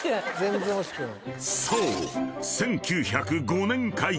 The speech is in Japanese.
［そう］